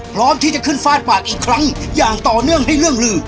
พร้อมที่จะขึ้นฟาดปากอีกครั้งอย่างต่อเนื่องให้เรื่องลือ